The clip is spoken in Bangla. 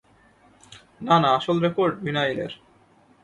না, না, আসল রেকর্ড, ভিনাইলের।